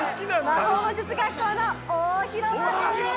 魔法魔術学校の大広間です。